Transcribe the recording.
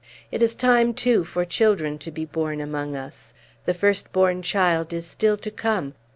It is time, too, for children to be born among us. The first born child is still to come.